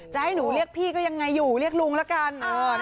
จะให้หนูเรียกพี่ก็ยังไงอยู่เรียกลุงละกัน